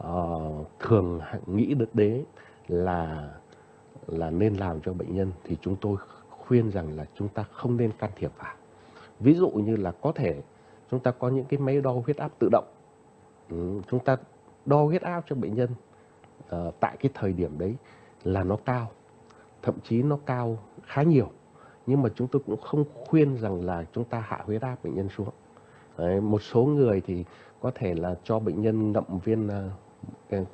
ờ thường nghĩ được đấy là là nên làm cho bệnh nhân thì chúng tôi khuyên rằng là chúng ta không nên can thiệp vào ví dụ như là có thể chúng ta có những cái máy đo huyết áp tự động chúng ta đo huyết áp cho bệnh nhân tại cái thời điểm đấy là nó cao thậm chí nó cao khá nhiều nhưng mà chúng tôi cũng không khuyên rằng là chúng ta hạ huyết áp bệnh nhân xuống một số người thì có thể là cho bệnh nhân nằm ở nơi không có gió lùa ở tư thế an toàn